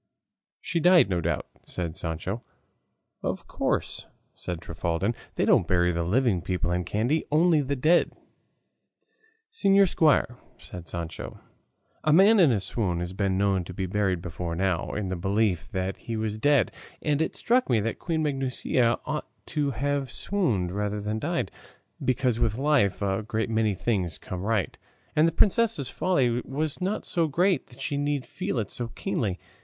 "She died, no doubt," said Sancho. "Of course," said Trifaldin; "they don't bury living people in Kandy, only the dead." "Señor Squire," said Sancho, "a man in a swoon has been known to be buried before now, in the belief that he was dead; and it struck me that Queen Maguncia ought to have swooned rather than died; because with life a great many things come right, and the princess's folly was not so great that she need feel it so keenly.